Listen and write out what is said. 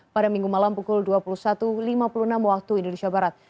pada minggu malam pukul dua puluh satu lima puluh enam waktu indonesia barat